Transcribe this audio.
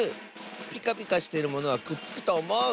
ピカピカしてるものはくっつくとおもう！